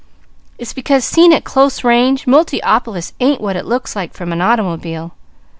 It's because seen at close range, Multiopolis ain't what it looks like from an automobile.